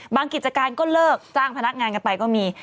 กิจการก็เลิกจ้างพนักงานกันไปก็มี